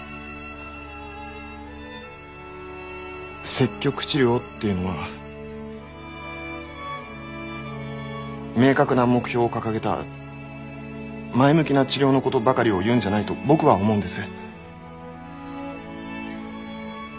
積極治療っていうのは明確な目標を掲げた前向きな治療のことばかりを言うんじゃないと僕は思うんです。